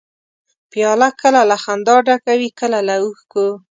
پیاله کله له خندا ډکه وي، کله له اوښکو.